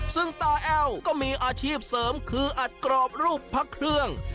ซึ่งตาแอ้วก็มีอาชีพเสริมคืออัดกรอบรูปพระเครื่อง